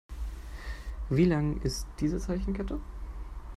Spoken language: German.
Wie lang ist diese Zeichenkette?